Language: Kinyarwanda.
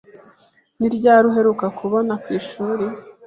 Ni ryari uheruka kubona ku ishuri?